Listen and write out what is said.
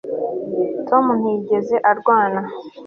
tom ntiyigeze arwana